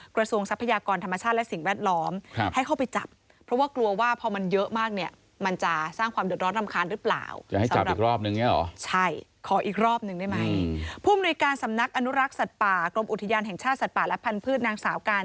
ทรัพยากรธรรมชาติและสิ่งแวดล้อมให้เข้าไปจับเพราะว่ากลัวว่าพอมันเยอะมากเนี่ยมันจะสร้างความเดือดร้อนรำคาญหรือเปล่า